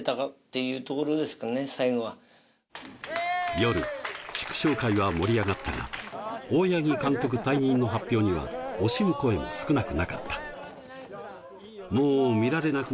夜、祝勝会は盛り上がったが、大八木監督退任の発表には惜しむ声も少なくなかった。